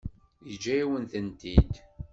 Yeǧǧa-yawen-tent-id.